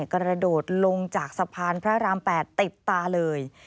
กระโดดลงจากสะพานพระราม๘ติดตาเลย